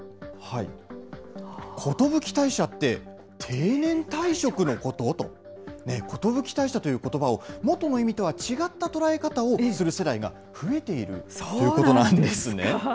寿退社って、定年退職のこと？と、寿退社ということばをもとの意味とは違った捉え方をする世代が増そうなんですか。